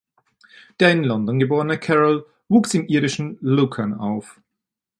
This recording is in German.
Der in London geborene Carroll wuchs im irischen Lucan auf.